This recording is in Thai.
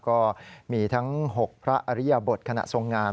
ก็มีทั้ง๖พระอริยบทขณะทรงงาน